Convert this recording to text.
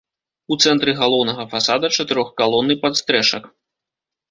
У цэнтры галоўнага фасада чатырох-калонны падстрэшак.